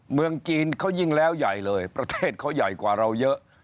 เมืองจีนเขายิ่งแล้วใหญ่เลยประเทศเขาใหญ่กว่าเราเยอะ